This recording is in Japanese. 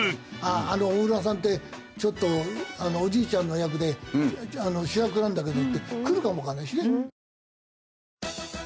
「あの大浦さんってちょっとおじいちゃんの役で主役なんだけど」ってくるかもわかんないしね。